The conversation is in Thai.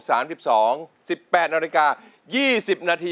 ๑๘นาฬิกา๒๐นาที